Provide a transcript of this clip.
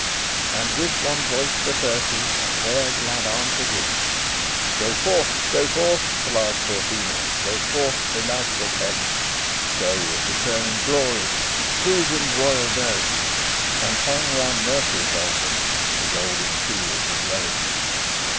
X And with one voice the Thirty Have their glad answer given: "Go forth, go forth, Lars Porsena; Go forth, beloved of Heaven; Go, and return in glory To Clusium's royal dome; And hang round Nurscia's altars The golden shields of Rome."